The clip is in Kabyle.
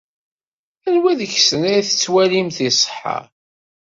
Anwa deg-sen ay tettwalimt iṣeḥḥa?